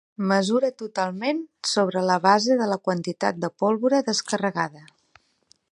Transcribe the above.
Mesura totalment sobre la base de la quantitat de pólvora descarregada.